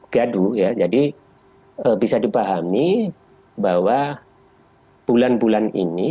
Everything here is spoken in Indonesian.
gadu ya jadi bisa dipahami bahwa bulan bulan ini